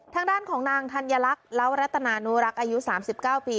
ทางด้านของนางธัญลักษณ์เล้ารัตนานุรักษ์อายุ๓๙ปี